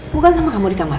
buka sama kamu di kamar